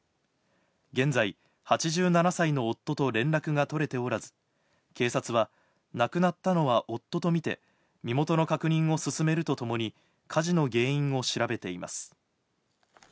現在、８７歳の夫と連絡が取れておらず、警察は亡くなったのは夫とみて、身元の確認を進めるとともに火事の原因を調べています。